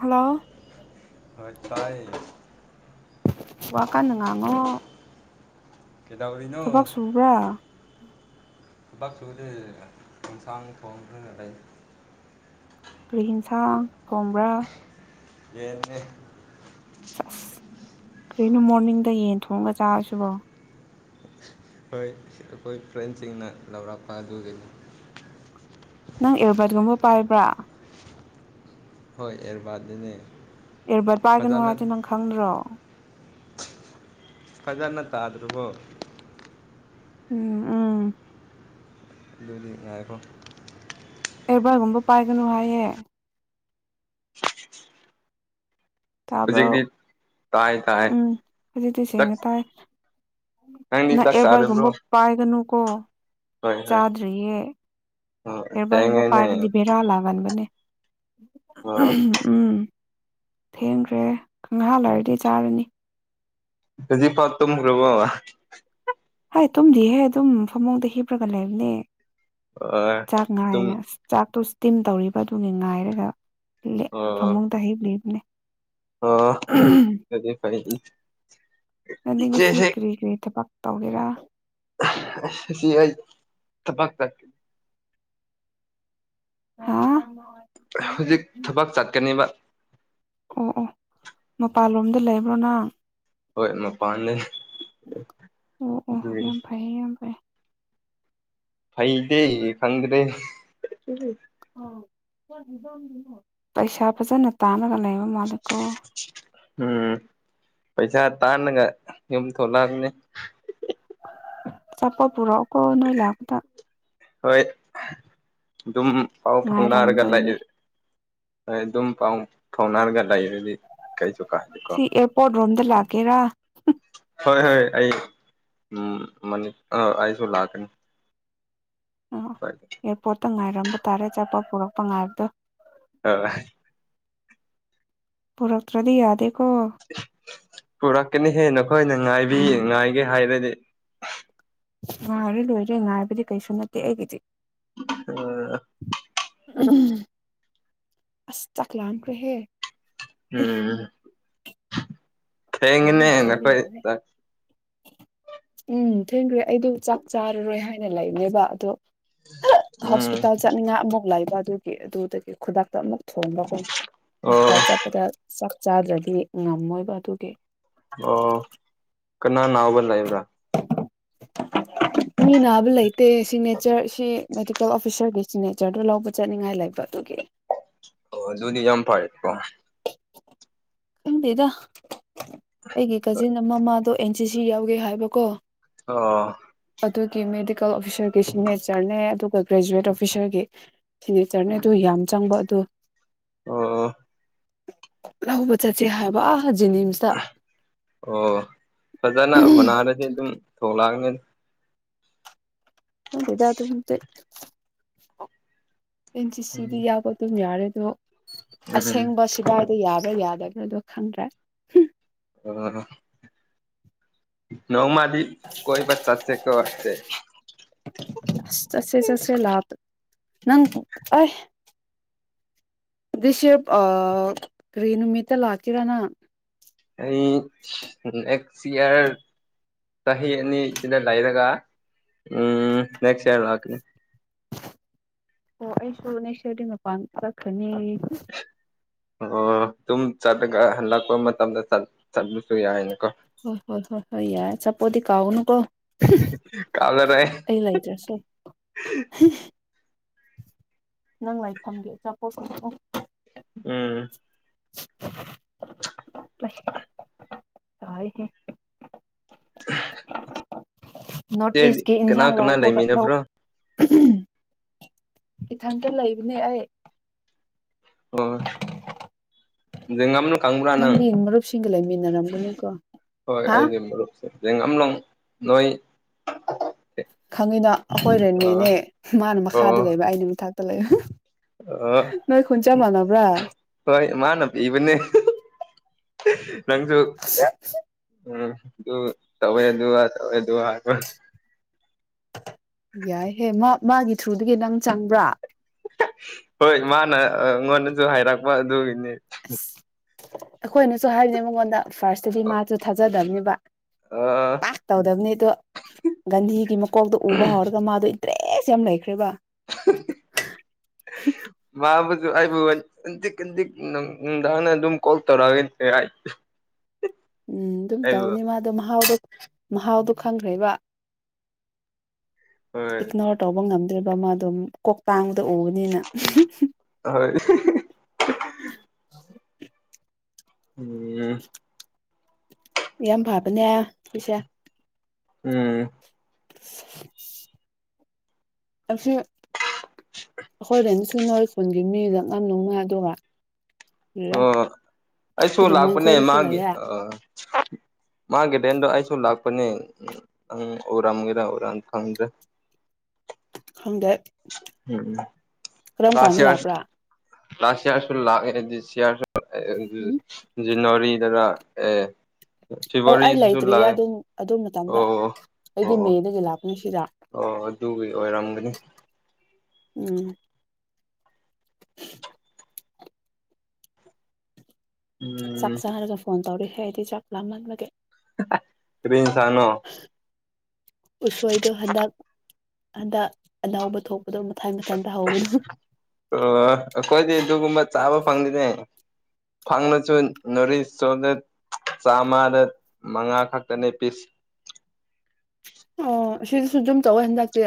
hello ꯍꯣꯏ ꯇꯥꯏ ꯋꯥ ꯀꯥꯟꯅ ꯉꯥꯡꯉꯣ ꯀꯩꯗꯧꯔꯤꯅꯣ ꯊꯕꯛ ꯁꯨꯕ꯭ꯔꯥ ꯊꯕꯛ ꯁꯨꯗꯦ ꯑꯦꯟꯁꯥꯡ ꯊꫭꯡꯔꯒ ꯂꯩ ꯀ꯭ꯔꯤ ꯏꯟꯁꯥꯡ ꯊꯣꯝꯕ꯭ꯔꯥ ꯌꯦꯅꯦ ꯑꯁ ꯀꯔꯤꯅꯣ ꯃꯣꯔꯅꯤꯡꯗ ꯌꯦꯟ ꯊꯣꯡꯉꯒ ꯆꯥꯔꯁꯤꯕꯣ ꯍꯣꯏ ꯑꯩꯈꯣꯏ ꯐ꯭ꯔꯦꯟꯁꯤꯡꯅ ꯂꯧꯔꯛꯄ ꯑꯗꯨꯒꯤꯅꯤ ꯅꯪ ꯑꯦꯌꯔꯕꯥꯠꯀꯨꯝꯕ ꯄꯥꯏꯕ꯭ꯔꯥ ꯍꯣꯏ ꯑꯦꯌꯔꯕꯥꯠꯅꯤꯅꯦ ꯑꯦꯌꯔꯕꯥꯠ ꯄꯥꯏꯒꯅꯨ ꯍꯥꯏꯗꯦ ꯅꯪ ꯈꯪꯗ꯭ꯔꯣ ꯐꯖꯅ ꯇꯥꯗ꯭ꯔꯕꯣ ꯎꯝ ꯎꯝ ꯑꯗꯨꯗꯤ ꯉꯥꯏꯈꫭ ꯑꯦꯌꯔꯕꯥꯠꯒꯨꯝꯕ ꯄꯥꯏꯒꯅꯨ ꯍꯥꯏꯌꯦ ꯇꯥꯕ꯭ꯔꯣ ꯍꯧꯖꯤꯛꯇꯤ ꯇꯥꯏ ꯇꯥꯏ ꯎꯝ ꯍꯧꯖꯤꯛꯇꯤ ꯆꯥꯛ ꯁꯦꯡꯅ ꯇꯥꯏ ꯅꯪꯗꯤ ꯅꯪ ꯆꯥꯛ ꯆꯥꯔꯕ꯭ꯔꯣ ꯑꯦꯌꯔꯕꯥꯠꯒꯨꯝꯕ ꯄꯥꯏꯒꯅꯨꯀꯣ ꯍꯣꯏ ꯍꯣꯏ ꯆꯥꯗ꯭ꯔꯤꯌꯦ ꯑꯣ ꯑꯦꯌꯔꯕꯥꯠꯒꯨꯝꯕ ꯊꯦꯡꯉꯦꯅꯦ ꯄꯥꯏꯔꯗꯤ ꯕꯦꯔꯥꯂꯥꯛꯒꯟꯕꯅꯦ ꯑꯣ ꯎꯝ ꯊꯦꯡꯈ꯭ꯔꯦ ꯈꯪꯍꯥ ꯂꯩꯔꯗꯤ ꯆꯥꯔꯅꯤ ꯍꯧꯖꯤꯛ ꯄꯠ ꯇꯨꯝꯈꯔꯕꫭ ꯍꯥꯏ ꯇꯨꯝꯗꯤꯍꯦ ꯑꯗꯨꯝ ꯐꯃꯨꯡꯗ ꯍꯤꯞꯄ꯭ꯔꯒ ꯂꯩꯕꯅꯦ ꯑꯣ ꯆꯥꯛ ꯇꯨꯝ ꯉꯥꯏꯅ ꯑꯁ ꯆꯥꯛꯇꯣ ꯏꯁꯇꯤꯝ ꯇꯧꯔꯤꯕ ꯑꯗꯨꯒꯤ ꯉꯥꯏꯔꯒ ꯑꯣ ꯃꯨꯡꯗ ꯍꯤꯞꯂꯤꯕꯅꯦ ꯑ ꯑꯗꯨꯗꯤ ꯐꯥꯏ ꯅꯪꯗꯤ ꯉꯁꯤ ꯀꯔꯤ ꯀꯔꯤ ꯊꯕꯛ ꯇꯧꯒꯦꯔꯥ ꯑꯁ ꯉꯁꯤ ꯑꯩ ꯊꯕꯛ ꯇ ꯍꯥꯥ ꯍꯧꯖꯤꯛ ꯊꯕꯛ ꯆꯠꯀꯅꯤꯕ ꯑꯣ ꯑꯣ ꯃꯄꯥꯟꯂꯣꯝꯗ ꯂꯩꯕ꯭ꯔꯣ ꯅꯪ ꯍꯣꯏ ꯃꯄꯥꯟꯗꯅꯤ ꯑꯗꯨꯏꯅꯤ ꯐꯩ ꯌꯥꯝ ꯐꯩ ꯐꯩꯗꯦ ꯈꯪꯗꯔꯦ ꯎꯝ ꯄꯩꯁꯥ ꯐꯖꯅ ꯇꯥꯟꯔꯒ ꯂꯩꯕ ꯃꯥꯜꯂꯦꯀꯣ ꯎꯝ ꯄꯩꯁꯥ ꯇꯥꯟꯅꯒ ꯌꯨꯝ ꯊꯣꯛꯂꯑꯃꯅꯤ ꯑꯆꯥꯄꯣꯠ ꯄꯨꯔꯛꯑꯣ ꯀꯣ ꯅꯣꯏ ꯂꯥꯛꯄ ꯗ ꯍꯣꯏ ꯑꯗꯨꯝ ꯄꯥꯎ ꯐꯥꯎꯅꯔꯒ ꯉꯥꯏꯔꯝꯗꯣꯏꯅꯦ ꯂꯩꯏ ꯍꯣꯏ ꯑꯗꯨꯝ ꯄꯥꯎ ꯐꯥꯎꯅꯔꯒ ꯂꯩꯔꯗꯤ ꯀꯩꯁꯨ ꯀꯥꯏꯗꯦꯀꯣ ꯀꫭꯠ ꯔꯣꯝꯗ ꯂꯥꯛꯀꯦꯔꯥ ꯍꯣꯏ ꯍꯣꯏ ꯑꯩ ꯃꯅꯤ ꯑꯥ ꯑꯩꯁꯨ ꯂꯥꯛꯀꯅꯤ ꯍꯣꯏ ꯑꯦꯌꯥ꯭ꯔꯄꯣ꯭ꯔꯠꯇ ꯉꯥꯏꯔꯝꯕ ꯇꯥꯔꯦ ꯑꯆꯥꯄꯣꯠ ꯄꯨꯔꯛꯄ ꯉꯥꯏꯕꯗꯣ ꯑꯥ ꯍꯥ ꯄꯨꯔꯛꯇ꯭ꯔꯗꯤ ꯌꯥꯗꯦꯀꯣ ꯄꯨꯔꯛꯀꯅꯤ ꯍꯦ ꯅꯈꯣꯏꯅ ꯉꯥꯏꯕꯤ ꯉꯥꯏꯒꯦ ꯍꯥꯏꯔꯗꯤ ꯉꯥꯏꯔꯦ ꯂꯣꯏꯔꯦ ꯉꯥꯏꯕꯗꯤ ꯀꯩꯁꯨ ꯅꯠꯇꯦ ꯑꯩꯒꯤꯗꯤ ꯑꯥ ꯑꯁ ꯆꯥꯛ ꯂꯝ ꯈꯔꯦꯍꯦ ꯎꯝ ꯋꯥꯎ ꯊꯦꯡꯉꯦꯅꯦ ꯆꯥꯕ ꯅꯈꯣꯏ ꯌꯥꯔꯦ ꯆꯥꯛ ꯎꯝ ꯊꯦꯡꯒꯔꯦ ꯑꯩꯗꯣ ꯆꯥꯛ ꯆꯥꯔꯔꯣꯏ ꯍꯥꯏꯅ ꯂꯩꯕꯅꯦꯕ ꯑꯗꯣ ꯎꯝ ꯍꯣꯁꯄꯤꯇꯥꯜ ꯆꯠꯅꯤꯡꯉꯥꯏ ꯑꯃꯨꯛ ꯂꯩꯕ ꯑꯗꯨꯒꯤ ꯑꯗꯨꯗꯒꯤ ꯈꯨꯗꯥꯛꯇ ꯑꯃꯨꯛ ꯊꯣꯡꯕꯒꯨꯝ ꯑꯣ ꯍꯣꯁꯄꯤꯇꯥꯜ ꯆꯠꯄꯗ ꯆꯥꯛ ꯆꯥꯗ꯭ꯔꯗꯤ ꯉꯝꯃꯣꯏꯕ ꯑꯗꯨꯒꯤ ꯑꯣ ꯀꯅꯥ ꯅꯥꯕ ꯂꯩꯕ꯭ꯔꯥ ꯃꯤ ꯅꯥꯕ ꯂꯩꯇꯦ ꯁꯤꯛꯅꯦꯆꯔ ꯁꯤ ꯃꯦꯗꯤꯀꯦꯜ ꯑꯣꯐꯤꯁꯔꯒꯤ ꯁꯤꯒꯅꯦꯆ꯭ꯔꯗꯨ ꯂꯧꯕ ꯆꯠꯅꯤꯡꯉꯥꯏ ꯂꯩꯕ ꯑꯗꯨꯒꯤ ꯑꯣ ꯑꯗꯨꯨꯗꯤ ꯌꯥꯝ ꯐꯔꯦꯀꯣ ꯈꯪꯗꯦꯗ ꯑꯩꯒꯤ ꯀꯥꯖꯤꯟ ꯑꯃ ꯃꯥꯗꯣ ꯑꯦꯟ ꯁꯤ ꯁꯤ ꯌꯥꯎꯒꯦ ꯍꯥꯏꯕꯀꯣ ꯑꯣ ꯑꯗꯨꯒꯤ ꯃꯦꯗꯤꯀꯦꯜ ꯑꯣꯐꯤꯁꯔꯒꯤ ꯁꯤꯒꯅꯦꯆꯔꯅꯦ ꯑꯗꯨꯒ ꯒ꯭ꯔꯦꯖꯨꯋꯦꯠ ꯑꯣꯐꯤꯁꯔꯒꯤ ꯁꯤꯒꯅꯦꯆꯔꯅꯤ ꯑꯗꯨ ꯌꯥꯝ ꯆꯪꯕ ꯑꯗꯨ ꯑꯣ ꯂꯍꯧꯕ ꯆꯠꯁꯦ ꯍꯥꯏꯕ ꯑꯥ ꯖꯤꯅꯤꯝꯁ ꯑꯣ ꯐꯖꯅ ꯍꯣꯠꯅꯔꯗꯤ ꯑꯗꯨꯝ ꯊꯣꯛꯂꯅꯒꯅꯤ ꯈꯪꯗꯦꯗꯥ ꯑꯗꯨ [unintelligible] ꯑꯦꯟꯁꯤꯁꯤꯗꯤ ꯎꯝ ꯌꯥꯎꯕ ꯑꯗꯨꯝ ꯌꯥꯔꯦ ꯑꯗꯣ ꯎꯝ ꯑꯁꯦꯡꯕ ꯀꯗꯥꯏꯗ ꯌꯥꯕ꯭ꯔꯥ ꯌꯥꯗꯕ꯭ꯔꯥꯗꯣ ꯈꯪꯗ꯭ꯔꯦ ꯑꯣ ꯅꯣꯡꯃꯗꯤ ꯀꯣꯏꯕ ꯆꯠꯁꯦꯀꯣ ꯑꯗꯨꯗꯤ ꯆꯠꯁꯦ ꯆꯠꯁꯦ ꯂꯥꯛꯇ ꯅꯪ ꯑꯩ ꯗꯤꯁ ꯌꯔ ꯑꯥ ꯀꯔꯤ ꯅꯨꯃꯤꯠꯇ ꯂꯥꯛꯀꯔ ꯅꯪ ꯑꯩ ꯅꯦꯛꯁ ꯏ꯭ꯌꯔ ꯆꯍꯤ ꯑꯅꯤ ꯁꯤꯗ ꯂꯩꯔꯒ ꯎ ꯅꯦꯛꯁ ꯏꯌꯥꯔ ꯂꯥꯛꯀꯅꯤ ꯑꯣ ꯑꯩꯁꯨ ꯅꯦꯛꯁ ꯌꯔꯗꯤ ꯃꯄꯥꯟ ꯆꯠꯈꯔꯅꯤ ꯑꯁ [unintelligible] ꯑꯣ ꯑꯗꯨꯝ ꯆꯠꯂꯒ ꯍꯜꯂꯛꯄ ꯃꯇꯝꯗ ꯆꯠꯂꯁꯨ ꯌꯥꯏꯅꯦꯀꯣ ꯍꯣꯏ ꯍꯣꯏ ꯍꯣꯏ ꯍꯣꯏ ꯌꯥꯏ ꯆꯥꯄꯣꯠꯗꯤ ꯀꯥꯎꯒꯅꯨꯀꯣ ꯀꯥꯎꯂꯔꯣꯏ ꯑꯩ ꯂꯩꯇꯔ꯭ꯁꯨ ꯅꯪ ꯂꯩꯐꯝꯒꯤ ꯑꯆꯥꯄꯣꯠ ꯄꯨꯔꯛ ꯑꯣ ꯎꯝ ꯇꯥꯏꯍꯦ ꯅꯣꯔꯠ ꯀꯅꯥ ꯀꯅꯥ ꯂꯩꯃꯤꯟꯕ꯭ꯔꯣ ꯏꯊꯪꯇ ꯂꯩꯕꯅꯦ ꯑꯩ ꯑꯣ ꯖꯦꯉꯝ ꯅ ꯈꯪꯕ꯭ꯔ ꯅꯪꯗꯤ ꯃꯔꯨꯞꯁꯤꯡꯒ ꯂꯩꯃꯤꯟꯅꯔꯝꯒꯅꯤꯀꯣ ꯍꯣꯏ ꯍꯥ ꯑꯩꯒꯤ ꯃꯔꯨꯞꯁꯦ ꯌꯦꯡꯝꯂꯣꯡ ꯅꯣꯏ ꯈꯪꯉꯤꯅ ꯑꯩꯈꯣꯏ ꯑꯣ ꯔꯦꯅꯦꯅꯦ ꯃꯥꯅ ꯑꯣ ꯃꯈꯥꯗ ꯂꯩꯕ ꯑꯩꯅ ꯃꯊꯥꯛꯇ ꯂꯩꯕ ꯑꯣ ꯅꯣꯏ ꯈꯨꯟ ꯆꯞ ꯃꯥꯟꯅꯕ꯭ꯔꯥ ꯍꯣꯏ ꯃꯥꯅ ꯄꯤꯕꯅꯦ ꯅꯪꯁꯨ ꯌꯥ [unintelligible] ꯎꯝ ꯑꯗꯨ ꯇꯧꯋꯦ ꯑꯗꯨ ꯇꯧꯋꯦ ꯑꯗꯨ ꯌꯥꯏꯍꯦ ꯃꯥ ꯃꯥꯒꯤ ꯊ꯭ꯔꯨꯗꯒꯤ ꯅꯪ ꯆꯪꯕ꯭ꯔꯥ ꯍꯣꯏ ꯃꯥꯅ ꯑꯩꯉꯣꯟꯗꯁꯨ ꯍꯥꯏꯔꯛꯄ ꯑꯗꯨꯒꯤꯅꯤ ꯑꯁ ꯑꯩꯈꯣꯏꯅꯁꯨ ꯍꯥꯏꯔꯤꯁ ꯃꯉꯣꯟꯗ ꯐꯥꯔꯁ ꯑꯗꯨꯗꯤ ꯃꯥꯁꯨ ꯊꯥꯖꯗꯕꯅꯦꯕ ꯑꯥ ꯇꯧꯗꯕꯅꯤ ꯑꯗꯣ ꯒꯟꯙꯤꯒꯤ ꯃꯀꯣꯛꯇꯣ ꯎꯕ ꯍꯧꯔꯒ ꯃꯥꯗꯣ ꯏꯟꯇꯔꯦꯁ ꯌꯥꯝ ꯂꯩꯈ꯭ꯔꯦꯕ ꯃꯥꯕꯨꯁꯨ ꯑꯩꯥꯏꯕꯨꯜ ꯈꯟꯖꯤꯛ ꯈꯟꯖꯤꯛ ꯅꯨꯡꯗꯥꯡ ꯑꯗꯨꯝ ꯀꯣꯜ ꯇꯧꯔꯒ ꯌꯥꯏ ꯎꯝ ꯑꯗꯨꯝ ꯇꯧꯅꯤ ꯃꯥꯗꯣ ꯃꯍꯥꯎꯗꯣ ꯃꯍꯥꯎꯗꯣ ꯈꯪꯈ꯭ꯔꯦꯕ ꯍꯣꯏ ꯏꯛꯅꯣꯔ ꯇꯧꯕ ꯉꯝꯗ꯭ꯔꯤꯕ ꯃꯥꯗꯣ ꯀꯣꯛ ꯇꯥꯡꯕꯗꯣ ꯎꯕꯅꯤꯅ ꯍꯣꯏ [unintelligible] ꯑ [unintelligible] ꯎꯝ ꯌꯥꯝ ꯐꯕꯅꯦ ꯄꯤꯁꯦ ꯎꯝ ꯑꯁꯦ ꯑꯩꯈꯣꯏꯗꯅ ꯁꯨ ꯅꯣꯏ ꯈꯨꯨꯜꯒꯤ ꯃꯤꯗꯛ ꯉꯝ ꯂꯧꯅ ꯗꯨꯒ ꯑꯣ ꯑꯩꯁꯨ ꯐꯤꯂꯤꯃꯣꯟ ꯂꯥꯛꯄꯅꯦ ꯈꯣꯏꯗꯁꯨ ꯃꯥꯒꯤ ꯂꯩꯌꯦ ꯑ ꯃꯥꯒꯤ ꯔꯦꯟꯗꯣ ꯑꯩꯁꯨ ꯂꯥꯛꯄꯅꯦ ꯅꯪ ꯎꯔꯝꯒꯦꯗ ꯎꯔ ꯈꯪꯗ꯭ꯔꯦ ꯈꯪꯗꯦ ꯀꯔꯝ ꯂꯥꯁ ꯀꯥꯟꯗ ꯏꯌꯥ꯭ꯔꯁ ꯂꯥꯛꯄ꯭ꯔꯥ ꯂꯥꯁ ꯏꯌꯥꯔꯁꯨ ꯂꯥꯛꯑꯦ ꯎꯝ [unintelligible] ꯖꯦꯅꯋꯥꯔꯤꯗꯔ ꯑꯦ ꯑꯧ ꯑꯩ ꯐꯦꯕꯋꯥꯔꯤꯁꯤꯁꯨ ꯂꯩꯇ꯭ꯔꯤꯌꯦ ꯂꯥꯛꯑꯦ ꯑꯗꯨꯝ ꯑꯗꯨ ꯃꯇꯝꯗ ꯑꯣ ꯑꯣ ꯑꯩꯗꯤ ꯑꯣ ꯃꯦꯗꯒꯤ ꯂꯥꯛꯄꯅꯤ ꯁꯤꯗ ꯑꯣ ꯑꯗꯨꯒꯤ ꯑꯣꯏꯔꯝꯒꯅꯤ ꯎꯝ ꯆꯥꯛ ꯎꯝ ꯆꯥꯔꯒ ꯐꯣꯟ ꯇꯧꯔꯍꯦ ꯑꯩꯗꯤ ꯆꯥꯛ ꯂꯥꯝꯃꯟꯕꯒꯤ ꯀꯔꯤ ꯏꯟꯁꯥꯡꯅꯣ ꯎꯁꯣꯏꯗꯣ ꯍꯟꯗꯛ ꯍꯟꯗꯛ ꯑꯅꯧꯕ ꯊꯣꯛꯄꯗꯣ ꯃꯊꯥꯏ ꯃꯊꯟ ꯇꯥꯍꯧꯕꯅꯨ ꯑ ꯑꯩꯈꯣꯏꯗꯤ ꯑꯗꯨꯒꯨꯝꯕ ꯆꯥꯕ ꯐꯪꯗꯦꯅꯦ ꯐꯪꯂꯁꯨ ꯅꯔꯤꯁ ꯁꯣꯂꯦꯠ ꯆꯥꯝꯃꯗ ꯃꯉꯥ ꯈꯛꯇꯅꯦ ꯄꯤꯁ ꯑꯣ ꯁꯤꯗꯁꯨ ꯑꯗꯨꯝ ꯇꯧꯋꯦ ꯍꯟꯗꯛꯇꯤ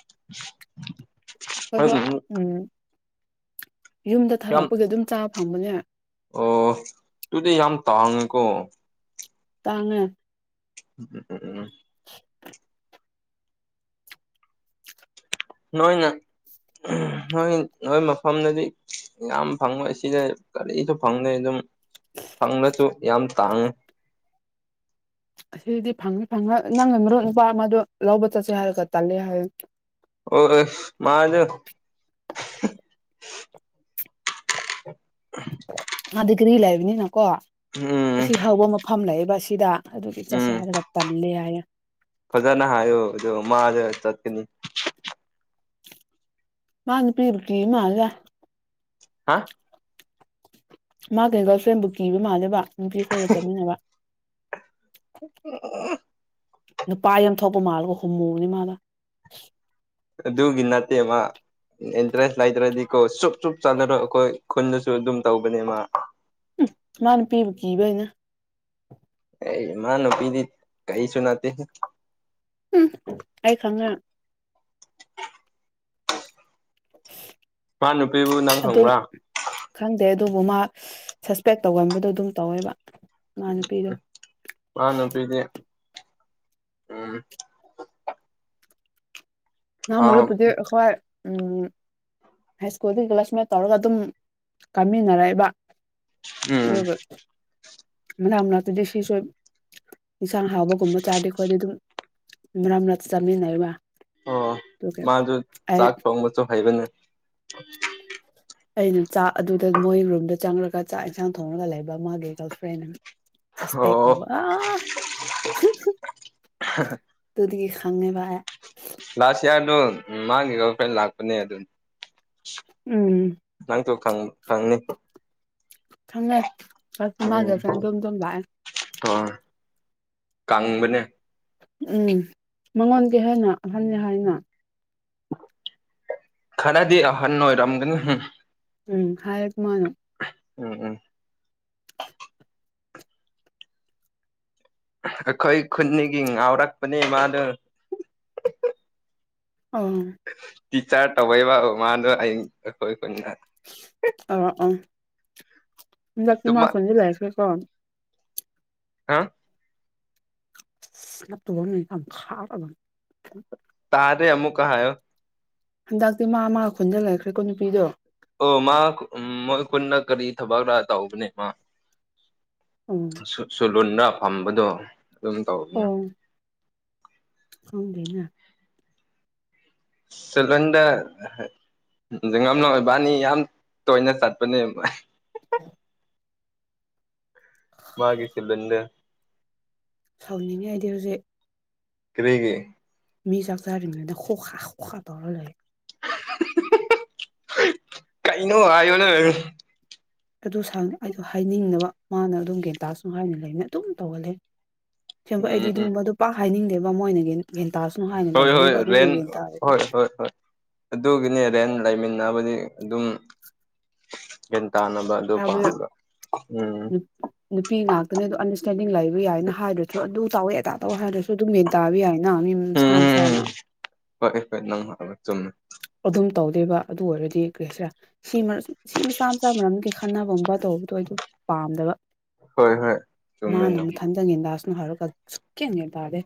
[unintelligible] [inaudible] ꯌꯨꯝꯗ ꯌꯥꯝ ꯊꯥꯔꯛꯄꯒꯤ ꯑꯗꯨꯝ ꯆꯥꯕ ꯐꯪꯕꯅꯦ ꯑꯣ ꯑꯗꯨꯗꯤ ꯌꯥꯝ ꯇꯥꯡꯉꯦꯀꯣ ꯇꯥꯡꯉꯦ ꯎꯝ ꯎꯝ ꯎꯝ [unintelligible] ꯅꯣꯏꯅ ꯅꯣꯏ ꯅꯣꯏ ꯃꯐꯝꯗꯗꯤ ꯌꯥꯝ ꯐꯪꯉꯣꯏ ꯁꯤꯗ ꯀꯔꯤꯁꯨ ꯐꯪꯗꯦ ꯑꯗꯨꯝ ꯐꯪꯉꯁꯨ ꯌꯥꯝ ꯇꯥꯡꯉꯦ ꯁꯤꯗꯤ ꯐꯪꯅꯤ ꯐꯪꯉ ꯅꯪꯅ ꯃꯔꯨꯞ ꯅꯨꯄꯥ ꯑꯃꯗ ꯂꯧꯕ ꯆꯠꯁꯦ ꯍꯥꯏꯔꯒ ꯇꯜꯂꯦ ꯍꯥꯏ ꯑꯣ ꯃꯥꯗꯣ ꯑꯥꯗꯒꯤꯔꯤ ꯂꯩꯕꯅꯤꯅꯀꯣ ꯎꯝ ꯑꯁꯤ ꯍꯧꯕ ꯃꯐꯝ ꯂꯩꯕ ꯑꯁꯤꯗ ꯑꯗꯨꯗꯤ ꯆꯠꯁꯦ ꯎꯝ ꯍꯥꯏꯔꯒ ꯇꯜꯂꯦ ꯍꯥꯏꯌꯦꯦ ꯐꯖꯅ ꯍꯥꯏꯌꯣ ꯑꯗꯣ ꯃꯥꯗ ꯆꯠꯀꯅꯤ ꯃꯥ ꯅꯨꯄꯤ ꯀꯤ ꯃꯜꯂꯤꯗ ꯍꯥ ꯃꯥꯅ ꯒꯔꯜ ꯐ꯭ꯔꯦꯟꯕꯨ ꯀꯤꯕ ꯃꯥꯜꯂꯦꯕ ꯅꯨꯄꯤ ꯈꯣꯏꯒ ꯆꯠꯃꯤꯟꯅꯕ [unintelligible] ꯅꯨꯄꯥ ꯌꯥꯝ ꯊꯣꯛꯄ ꯃꯥꯜꯂꯒ ꯍꯣꯃꯣꯅꯤ ꯃꯥꯗꯣ ꯑꯗꯨꯒꯤ ꯅꯥꯠꯇꯦꯃ ꯏꯟꯇꯔꯦꯁ ꯂꯩꯇ꯭ꯔꯗꯤ ꯀꯣ ꯆꯨꯞ ꯆꯨꯞ ꯆꯠꯂꯔꯣꯏ ꯑꯩꯈꯣꯏ ꯈꯨꯟꯗꯁꯨ ꯑꯗꯨꯝ ꯇꯧꯕꯅꯦ ꯃꯥ ꯃ ꯅꯨꯄꯤꯕꯨ ꯀꯤꯕꯩꯅꯦ ꯑꯦ ꯃ ꯅꯨꯄꯤꯗꯤ ꯀꯔꯤꯁꯨ ꯅꯠꯇꯦ ꯎꯝ ꯑꯩ ꯈꯪꯅ ꯃꯥ ꯅꯨꯄꯤꯕꯨ ꯅꯪ ꯑꯗꯨꯝ ꯈꯪꯕ꯭ꯔꯥ ꯈꯪꯗꯦ ꯑꯗꯨꯕꯨ ꯃꯥ ꯁꯁꯄꯦꯛ ꯇꯧꯒꯟꯕꯗꯣ ꯑꯗꯨꯝ ꯇꯧꯋꯦꯕ ꯃ ꯅꯨꯄꯤꯗꯣ ꯃꯥ ꯅꯨꯄꯤꯗꯤ ꯎꯝ ꯑꯥ [unintelligible] ꯍꯥꯏ ꯁ꯭ꯀꯨꯜꯒꯤ ꯀ꯭ꯂꯥꯁ ꯃꯠ ꯇꯧꯔꯒ ꯑꯗꯨꯝ ꯀꯥꯃꯤꯟꯅꯔꯛꯏꯕ ꯎꯝ ꯑꯗꯨꯒ ꯃꯅꯥꯛ ꯃꯅꯥꯛꯇꯗꯤ ꯁꯤꯁꯣ ꯏꯟꯁꯥꯡ ꯍꯥꯎꯕꯒꯨꯝꯕ ꯆꯥꯔꯗꯤ ꯑꯩꯈꯣꯏꯗꯤ ꯑꯗꯨꯝ ꯃꯔꯛ ꯃꯔꯛ ꯆꯥꯃꯤꯟꯅꯔꯤꯕ ꯑꯣ ꯃꯥꯁꯨ ꯆꯥꯛ ꯊꯣꯡꯕꯁꯨ ꯍꯩꯕꯅꯦ ꯑꯩꯅ ꯆꯥꯛ ꯑꯗꯨꯗ ꯃꯣꯏ ꯔꯨꯝꯗ ꯆꯪꯔꯒ ꯆꯥꯛ ꯌꯦꯟꯁꯥꯡ ꯊꯣꯡꯉꯒ ꯂꯩꯕ ꯃꯥꯒꯤ ꯒꯔꯜ ꯐ꯭ꯔꯦꯟꯅ ꯆꯁꯄꯦꯛ ꯑꯣ ꯇꯧꯕ ꯑꯥ [unintelligible] ꯗꯨꯗꯒꯤ ꯈꯪꯉꯦꯕ ꯂꯥꯁ ꯏꯌꯥꯔꯗꯣ ꯃꯥꯒꯤ ꯒꯔꯜ ꯐ꯭ꯔꯦꯟ ꯂꯥꯛꯄꯅꯦ ꯑꯗꯨ ꯎꯝ ꯅꯪꯁꯨ ꯈꯪ ꯈꯪꯅꯤ ꯈꯪꯉ ꯑꯁ ꯃꯥꯥ ꯒꯔꯜ ꯐ꯭ꯔꯦꯟꯗꯣ ꯗꯨꯝ ꯗꯨꯝ ꯂꯥꯛꯑꯦ ꯎꯝ ꯀꯪꯕꯅꯦ ꯎꯝ ꯃꯉꯣꯟ ꯀꯩ ꯍꯥꯏꯅ ꯑꯍꯟꯅꯤ ꯍꯥꯏꯅ ꯈꯔꯗꯤ ꯑꯍꯟ ꯑꯣꯏꯔꯝꯒꯅꯤ ꯎꯝ ꯍꯥꯏꯔꯛ ꯃꯥꯅ ꯎꯝ ꯎꯝ ꯑꯩꯈꯣꯏ ꯈꯨꯟꯗꯒꯤ ꯉꯥꯎꯔꯛꯄꯅꯦ ꯃꯥꯗꯣ ꯑꯥ ꯇꯤꯆꯔ ꯇꯧꯕꯩꯕ ꯃꯥꯗꯣ ꯑꯩ ꯑꯩꯈꯣꯏ ꯈꯨꯟꯗ ꯑꯣ ꯑꯣ ꯍꯟꯗꯛꯇꯤ ꯃꯥ ꯑꯗꯨꯃꯛ ꯈꯨꯟꯗ ꯂꯩꯈ꯭ꯔꯦꯀꯣ ꯍꯥ ꯑꯇꯨꯕ ꯑꯃ ꯂꯩ ꯌꯥꯝ ꯈꯥꯕ ꯑꯃ ꯇꯥꯗꯦ ꯑꯃꯨꯛꯀꯥ ꯍꯥꯏꯌꯣ ꯍꯟꯗꯛꯇꯤ ꯃꯥ ꯃꯥ ꯈꯨꯟꯗ ꯂꯩꯔꯈ꯭ꯔꯦꯀꯣ ꯅꯨꯄꯤꯗꯣ ꯑꯣ ꯃꯥ ꯎꯝ ꯃꯣꯏ ꯈꯨꯟꯗ ꯀꯔꯤ ꯊꯕꯛꯔꯥ ꯇꯧꯕꯅꯦ ꯃꯥ ꯎꯝ ꯁꯨ ꯁꯨꯂꯨꯜꯗ ꯐꯝꯕꯗꯣ ꯑꯗꯨꯝ ꯇꯧꯕꯅꯦ ꯈꯪꯗꯦꯅ ꯁꯂꯨꯜꯗ [unintelligible] ꯌꯥꯝ ꯇꯣꯏꯅ ꯆꯠꯄꯅꯦ [unintelligible] ꯃꯥꯒꯤ ꯁꯦꯂꯨꯟꯗꯣ ꯁꯥꯎꯅꯤꯡꯉꯦ ꯑꯩꯗꯤ ꯍꯧꯖꯤꯛ ꯀꯔꯤꯒꯤ ꯃꯤ ꯆꯥꯛ ꯆꯥꯔꯤ ꯉꯩꯗ ꯈꯣꯈꯥ ꯈꯣꯈꯥ ꯇꯧꯔ ꯂꯩ [unintelligible] ꯀꯩꯅꯣ ꯍꯥꯏꯌ‌ꯣꯅꯦ ꯑꯗꯨ ꯁꯥꯡꯅ ꯑꯩꯗꯣ ꯍꯥꯏꯅꯤꯡꯅꯕ ꯃꯥꯅ ꯑꯗꯨꯝ ꯒꯦꯟꯇꯥꯁꯨ ꯍꯥꯏꯅ ꯂꯩꯅꯦ ꯑꯗꯨꯝ ꯇꯧꯍꯜꯂꯦ ꯁꯦꯡꯕ ꯎꯝ ꯑꯩꯗꯤ ꯎꯝ ꯑꯗꯨꯒꯨꯝꯕꯗꯨ ꯄꯥꯛ ꯍꯥꯏꯅꯤꯡꯗꯦꯕ ꯃꯣꯏꯅ ꯒꯦꯟ ꯒꯦꯟ ꯇꯥꯔꯁꯅꯨ ꯍꯥꯏꯅ ꯍꯣꯏ ꯍꯣꯏ ꯂꯩꯕꯅꯦꯕ ꯔꯦꯟ ꯑꯗꯨꯗꯨꯒꯤ ꯌꯦꯟ ꯇꯥꯔꯗꯤ ꯍꯣꯏ ꯍꯣꯏ ꯍꯣꯏ ꯑꯗꯨꯒꯤꯅꯦ ꯔꯦꯟ ꯂꯩꯃꯤꯟꯅꯕꯗꯤ ꯑꯗꯨꯝ ꯌꯦꯟ ꯇꯥꯅꯕ ꯑꯗꯨ ꯍꯥꯏꯕꯗ ꯄꯥꯕ ꯎꯝ ꯅꯨꯄꯤ ꯉꯥꯛꯇꯅꯦ ꯑꯗꯨ ꯑꯟꯗꯔꯁꯇꯦꯟꯗꯤꯡ ꯂꯩꯕ ꯌꯥꯏꯅ ꯍꯥꯏꯗ꯭ꯔꯁꯨ ꯑꯗꯨ ꯇꯧꯋꯦ ꯑꯗꯥ ꯇꯧꯋꯦ ꯍꯥꯏꯗ꯭ꯔꯁꯨ ꯗꯨ ꯗꯨꯝ ꯃꯦꯟ ꯇꯥꯕ ꯌꯥꯏꯅ ꯃꯤꯝ ꯃꯁꯥꯥ ꯎꯝ ꯃꯁꯥꯥꯅ ꯍꯣꯏ ꯍꯣꯏ ꯅꯪꯅ ꯍꯥꯏꯕ ꯆꯨꯝꯃꯦ ꯑꯗꯨꯝ ꯇꯧꯗꯦꯕ ꯑꯗꯨ ꯑꯣꯏꯔꯗꯤ ꯀꯩꯁꯦ ꯁꯤꯃꯔ ꯁꯤ ꯃꯆꯥ ꯃꯆꯥ ꯃꯔꯝꯒꯤ ꯈꯟꯅꯕꯒꯨꯝꯕ ꯇꯧꯕꯗꯣ ꯑꯩꯗꯣ ꯄꯥꯝꯗꯕ ꯍꯣꯏ ꯍꯣꯏ ꯆꯨꯝꯃꯦ ꯃꯥꯅ ꯅꯪ ꯑꯃꯨꯛꯊꯟꯗꯅꯦ ꯗꯥꯁꯅ ꯍꯥꯏꯔꯒ ꯁꯨꯛꯀꯦꯟꯉꯦ ꯇꯥꯗꯦ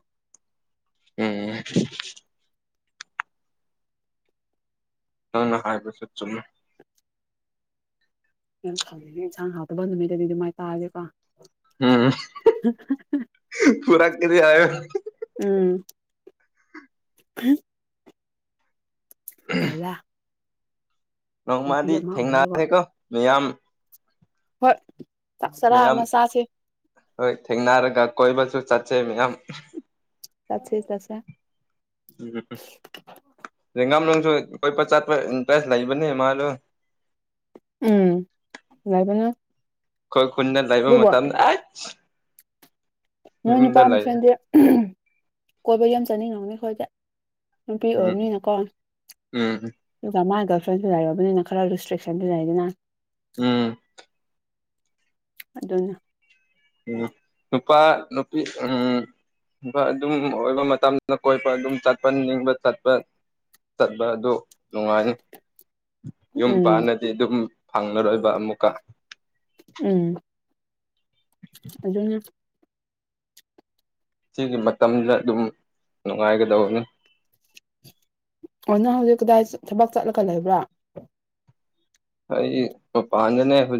ꯎꯝ ꯅꯪꯅ ꯍꯥꯏꯕꯁꯨ ꯆꯨꯝꯃ‌ꯦ ꯌꯥꯝ ꯁꯥꯎꯅꯤꯡꯉꯦ ꯌꯦꯟꯁꯥꯡ ꯍꯥꯎꯇꯕ ꯅꯨꯃꯤꯗꯗꯤ ꯑꯗꯨꯃꯥꯏ ꯇꯥꯁꯦꯀꯣ [unintelligible] ꯐꯨꯔꯛꯀꯅꯤ ꯍꯥꯏꯌ‌ꯣ ꯎꯝ [unintelligible] ꯇꯜꯂꯦ ꯅꯨꯄꯤ ꯅꯣꯡꯃꯗꯤ ꯑꯃ ꯑꯣꯏꯔꯒ ꯊꯦꯡꯅꯔꯦꯀꯣ ꯃꯤꯌꯥꯝ ꯍꯣꯏ ꯆꯥꯛ ꯆꯔꯥ ꯃꯤꯌꯥꯝ ꯑꯃ ꯁꯥꯥꯁꯦ ꯍꯣꯏ ꯊꯦꯡꯅꯔꯒ ꯀꯣꯏꯕꯁꯨ ꯆꯠꯆꯩ ꯃꯌꯥꯝ ꯆꯠꯁꯦ ꯆꯠꯁꯦ ꯎ ꯌꯦꯦꯡꯒꯥꯝ ꯅꯨꯡꯁꯨ ꯀꯣꯏ ꯆꯥꯠꯄ ꯏꯟꯇꯔꯦꯁ ꯂꯩꯕꯅꯦ ꯃꯥꯁꯨ ꯎꯝ ꯂꯩꯥꯕꯅ‌ꯦ ꯑꯩꯈ‌ꯣꯏ ꯈꯨꯟꯅ ꯂꯥꯏꯕ ꯃꯇꯝ ꯑꯩꯁ ꯅꯣꯏ ꯅꯨꯄꯥ ꯃꯁꯦꯟꯗꯤ ꯀꯣꯏꯕ ꯌꯥꯝ ꯆꯥꯅꯤꯡꯉꯕꯅꯤ ꯑꯩꯈꯣꯏꯗ ꯅꯨꯄꯤ ꯎꯝ ꯑꯣꯏꯝꯅꯤꯅꯀꯣ ꯎꯝ ꯑꯗꯨꯒ ꯃꯥ ꯒꯔꯜ ꯐ꯭ꯔꯦꯟꯁꯨ ꯂꯩꯔꯕꯅꯤꯅ ꯈꯔ ꯔꯤꯁꯇ꯭ꯔꯤꯁꯟꯁꯨ ꯂꯩꯗꯅ ꯎꯝ ꯑꯗꯨꯅꯤ ꯎꯝ ꯅꯨꯄꯥ ꯅꯨꯄꯤ ꯎꯝ ꯑꯗꯨꯝ ꯑꯣꯏꯕ ꯃꯇꯝꯗ ꯀꯣꯏꯄ ꯑꯗꯨꯝ ꯆꯠꯄ ꯅꯤꯡꯕ ꯆꯠꯄ ꯆꯠꯄ ꯑꯗꯨ ꯅꯨꯡꯉꯥꯏꯌ‌ꯦ ꯌꯨꯝ ꯎꯝ ꯄꯥꯟꯅꯗꯤ ꯑꯗꯨꯝ ꯐꯪꯉꯔꯣꯏꯕ ꯑꯃꯨꯛꯀ ꯎꯝ ꯑꯗꯨ ꯁꯤꯒꯤ ꯃꯇꯝꯗ ꯑꯗꯨꯝ ꯅꯨꯡꯉꯥꯏꯒꯗꯕꯅꯤ ꯑꯣ ꯅꯪ ꯍꯧꯖꯤꯛ ꯀꯗꯥꯏ ꯊꯕꯛ ꯆꯠꯂꯒ ꯂꯩꯕ꯭ꯔꯥ ꯑꯩ ꯃꯄꯥꯟꯗꯅꯦ ꯍꯨꯖꯤ